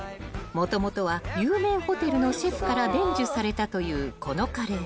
もともとは有名ホテルのシェフから伝授されたというこのカレー］